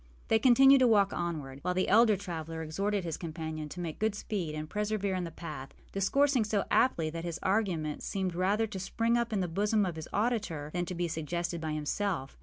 They continued to walk onward, while the elder traveller exhorted his companion to make good speed and persevere in the path, discoursing so aptly that his arguments seemed rather to spring up in the bosom of his auditor than to be suggested by himself.